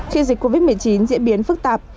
khi dịch covid một mươi chín diễn biến phức tạp